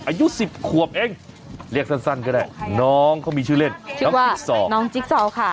อายุ๑๐ขวบเองเรียกสั้นก็ได้น้องเขามีชื่อเล่นน้องจิ๊กซอร์